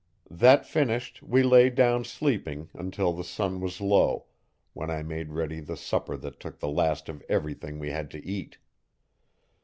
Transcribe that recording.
That finished we lay down sleeping until the sun was low, when I made ready the supper that took the last of everything we had to eat.